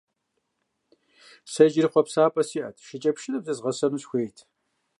Сэ иджыри хъуапсапӀэ сиӀэт, шыкӀэпшынэми зезгъэсэну сыхуейт.